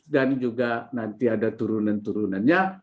dan juga nanti ada turunan turunannya